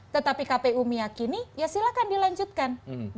tetapi kpu meyakini ya silahkan dilanjutkan